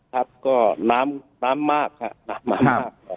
ครับก็น้ำมากครับ